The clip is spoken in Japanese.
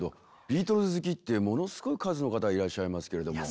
ビートルズ好きってものすごい数の方いらっしゃいますけれども。